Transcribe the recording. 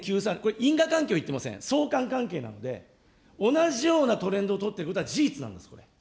因果関係を言ってません、相関関係なので、同じようなトレンド取ってることは事実なんです、これ。